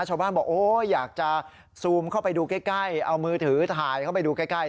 ชาวบ้านบอกโอ้อยากจะซูมเข้าไปดูใกล้เอามือถือถ่ายเข้าไปดูใกล้